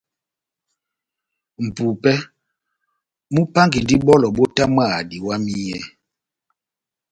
Mʼpupɛ múpángandi bɔlɔ bótamwaha diwamiyɛ.